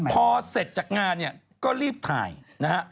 พอเสร็จจากงานเนี่ยก็รีบถ่ายนะฮะ